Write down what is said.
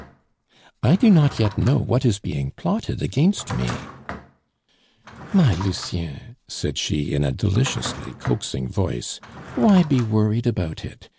"I do not yet know what is being plotted against me " "My Lucien," said she in a deliciously coaxing voice, "why be worried about it?